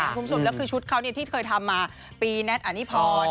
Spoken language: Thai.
คุ้มส่วนแล้วคือชุดเขาที่เคยทำมาปีแนทอันนิพร